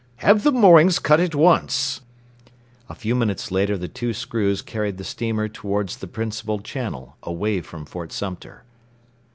"Have the moorings cut at once." A few minutes later the two screws carried the steamer towards the principal channel, away from Fort Sumter.